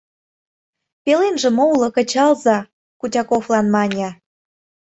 — Пеленже мо уло, кычалза, — Кутяковлан мане.